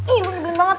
ih lo ngebelin banget